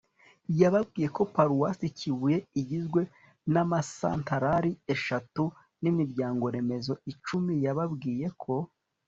yababwiye ko paruwasi kibuye igizwe n'ama santarari eshatu n'imiryango-remezo icumi. yababwiye ko